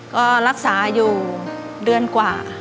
ก็รักษาอยู่เดือนกว่า